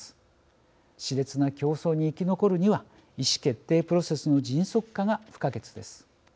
しれつな競争に生き残るには意思決定プロセスの迅速化が不可欠です。